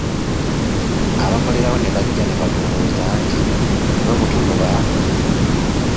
Abakolerawo ne bajja ne batubuuza nti "mmwe mutugoba?"